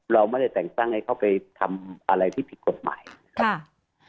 เราไม่ได้แต่งตั้งให้เขาไปทำอะไรที่ผิดกฎหมายนะครับ